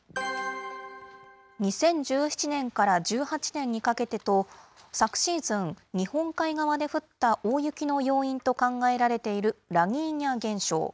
２０１７年から１８年にかけてと、昨シーズン、日本海側で降った大雪の要因と考えられているラニーニャ現象。